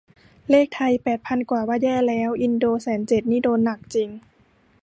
เลขไทยแปดพันกว่าว่าแย่แล้ว อินโดแสนเจ็ดนี่โดนหนักจริง